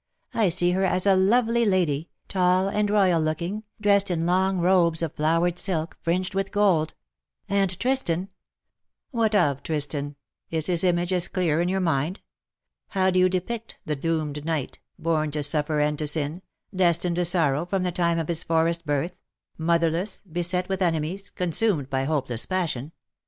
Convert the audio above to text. I see her as a lovely lady — tall and royal looking, dressed in long robes of flowered silk, fringed with gold. And Tristan '' ^^What of Tristan? Is his image as clear in your mind? How do you depict the doomed knight, born to suffer and to sin, destined to sorrow from the time of his forest birth — motherless, beset with enemies, consumed by hopeless passion.